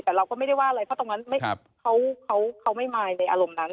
แต่เราก็ไม่ได้ว่าอะไรเพราะตรงนั้นเขาไม่มายในอารมณ์นั้น